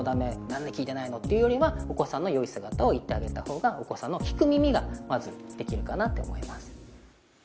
「なんで聞いてないの」って言うよりはお子さんのよい姿を言ってあげたほうがお子さんの聞く耳がまずできるかなって思います